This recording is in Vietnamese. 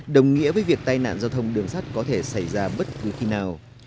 đồng nghĩa với việc tai nạn giao thông đường sắt có thể xảy ra bất cứ khi nào